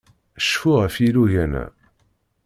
Cfu ɣef yilugan-a.